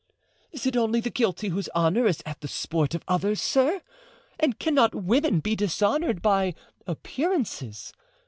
"Is it only the guilty whose honor is at the sport of others, sir? and cannot women be dishonored by appearances?